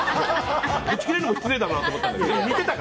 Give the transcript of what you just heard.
ぶち切れるのも失礼だなと思ったけど。